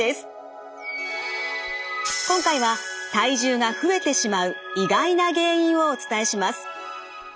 今回は体重が増えてしまう意外な原因をお伝えします。